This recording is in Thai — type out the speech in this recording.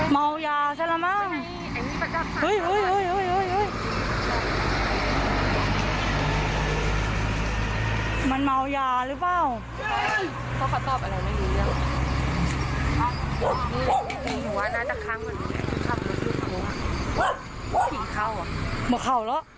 มันเหมายาหรือเปล่า